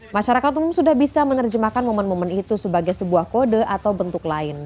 masyarakat umum sudah bisa menerjemahkan momen momen itu sebagai sebuah kode atau bentuk lain